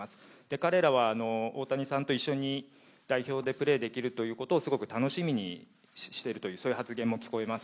彼らは大谷さんと一緒に代表でプレーできることをすごく楽しみにしているという発言も聞こえます。